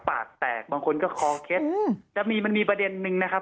ปากแตกบางคนก็คอเคล็ดจะมีมันมีประเด็นนึงนะครับ